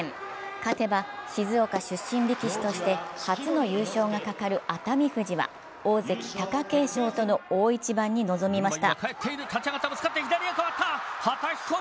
勝てば静岡出身力士として初の優勝がかかる熱海富士は、大関・貴景勝との大一番に臨みました。